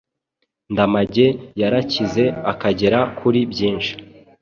Ndamage yarakize akagera kuri byinshi